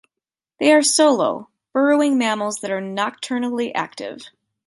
They are solo, burrowing mammals that are nocturnally active.